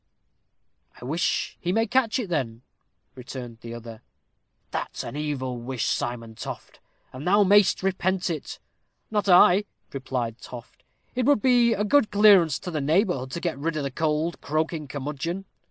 "I wish he may catch it, then," returned the other. "That's an evil wish, Simon Toft, and thou mayst repent it." "Not I," replied Toft; "it would be a good clearance to the neighborhood to get rid o' th' old croaking curmudgeon."